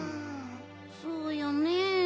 そうよねえ。